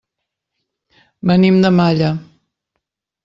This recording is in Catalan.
Venim de Malla.